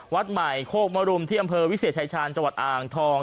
วัดใหม่โคกมรุมที่อำเภอวิเศษชายชาญจังหวัดอ่างทอง